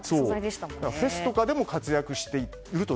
フェスなどで活躍していくと。